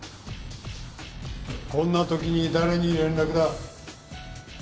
こんなときに誰に連絡だ？